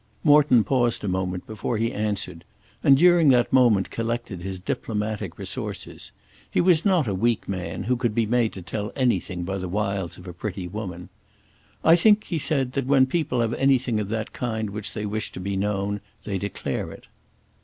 Morton paused a moment before he answered, and during that moment collected his diplomatic resources. He was not a weak man, who could be made to tell anything by the wiles of a pretty woman. "I think," he said, "that when people have anything of that kind which they wish to be known, they declare it."